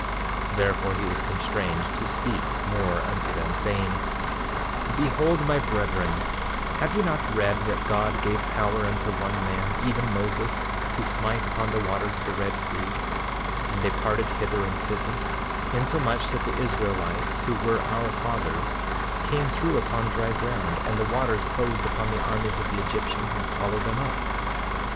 8:11 Therefore he was constrained to speak more unto them saying: Behold, my brethren, have ye not read that God gave power unto one man, even Moses, to smite upon the waters of the Red Sea, and they parted hither and thither, insomuch that the Israelites, who were our fathers, came through upon dry ground, and the waters closed upon the armies of the Egyptians and swallowed them up?